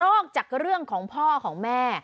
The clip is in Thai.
จากเรื่องของพ่อของแม่